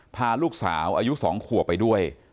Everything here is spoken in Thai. พาลูกสาวอายุ๒ขวบไปด้วย